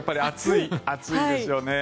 暑いですよね。